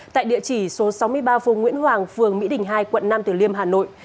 tại địa chỉ số sáu mươi ba phố nguyễn hoàng phường mỹ đình hai quận năm tử liêm hà nội